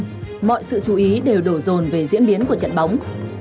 nhưng mọi sự chú ý đều đổ rồn về diễn biến của trận bóng